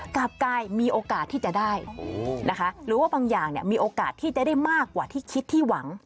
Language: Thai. กลับกายมีโอกาสที่จะได้นะคะหรือว่าบางอย่างมีโอกาสที่จะได้มากกว่าที่คิดที่หวัง